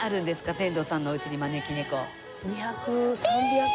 天童さんのお家に招き猫。